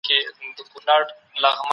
اوس ساينس هر څه روښانه کړي دي.